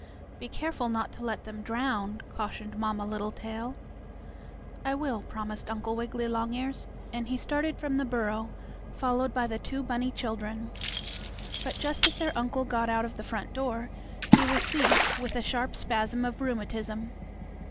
"Be careful not to let them drown," cautioned Mamma Littletail. "I will," promised Uncle Wiggily Longears, and he started from the burrow, followed by the two bunny children. But, just as their uncle got out of the front door he was seized with a sharp spasm of rheumatism.